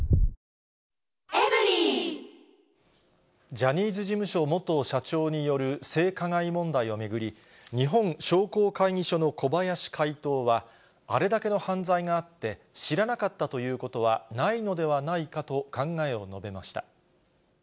ジャニーズ事務所元社長による性加害問題を巡り、日本商工会議所の小林会頭は、あれだけの犯罪があって、知らなかったということはないのではないかと考えを述べました。